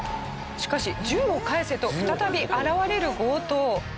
しかし銃を返せと再び現れる強盗。